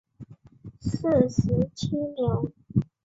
四十七年。